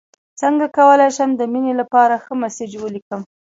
څنګه کولی شم د مینې لپاره ښه میسج ولیکم